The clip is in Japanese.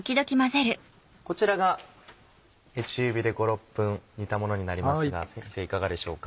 こちらが中火で５６分煮たものになりますが先生いかがでしょうか。